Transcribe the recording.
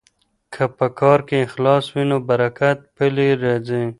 که په کار کې اخلاص وي نو برکت پکې راځي.